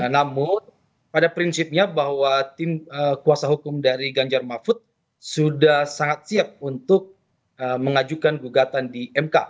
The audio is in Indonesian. namun pada prinsipnya bahwa tim kuasa hukum dari ganjar mahfud sudah sangat siap untuk mengajukan gugatan di mk